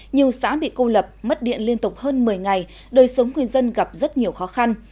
nhiều xã bị cô lập mất điện liên tục hơn một mươi ngày đời sống người dân gặp rất nhiều khó khăn